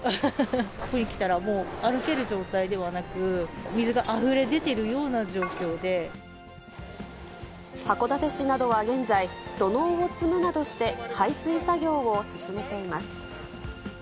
ここに来たら、もう歩ける状態ではなく、函館市などは現在、土のうを積むなどして排水作業を進めています。